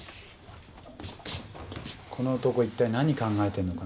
この男一体何考えてんのかなぁって。